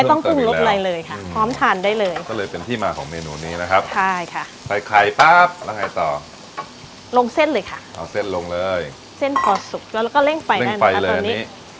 ออกสุกแล้วก็เร่งไปได้ไหมคะตอนนี้เร่งไปเลยอันนี้